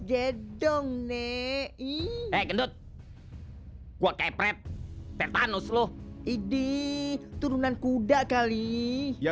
gedong nih iiih gendut gua kek prep tetanus lu ini turunan kuda kali ya